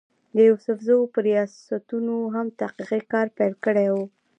د يوسفزو پۀ رياستونو هم تحقيقي کار پېل کړی وو